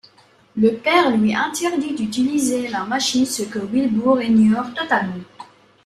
Le père lui interdit d'utiliser la machine, ce que Wilbur ignore totalement.